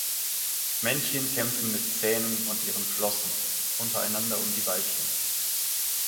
Männchen kämpfen mit Zähnen und ihren Flossen untereinander um die Weibchen.